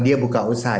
dia buka usaha